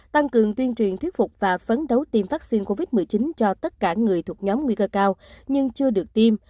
tăng cường tuyên truyền thuyết phục và phấn đấu tiêm vaccine covid một mươi chín cho tất cả người thuộc nhóm nguy cơ cao nhưng chưa được tiêm